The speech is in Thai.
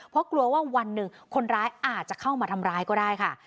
เพราะกลัวว่าวันหนึ่งคนร้ายอาจจะเข้ามาทำร้ายก็ได้ค่ะ